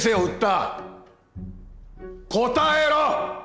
答えろ！